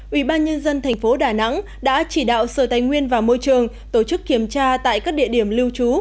ubnd tp đà nẵng đã chỉ đạo sở tài nguyên và môi trường tổ chức kiểm tra tại các địa điểm lưu trú